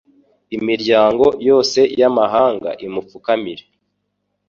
imiryango yose y’amahanga imupfukamire